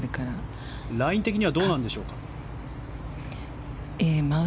ライン的にはどうなんでしょうか。